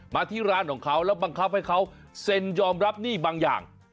มาที่ร้านของเขาแล้วบังคับให้เขาเซ็นยอมรับหนี้บางอย่าง